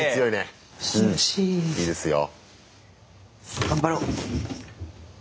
うんいいですよ。